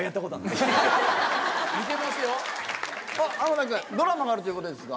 田君ドラマがあるということですが。